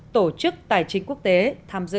tổ chức tài chính quốc tế tham dự